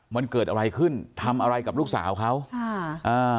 มันเกิดอะไรขึ้นทำอะไรกับลูกสาวเขาค่ะอ่า